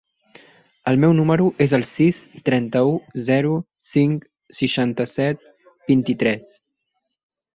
El meu número es el sis, trenta-u, zero, cinc, seixanta-set, vint-i-tres.